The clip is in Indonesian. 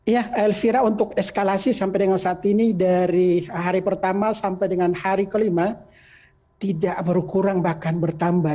ya elvira untuk eskalasi sampai dengan saat ini dari hari pertama sampai dengan hari kelima tidak berkurang bahkan bertambah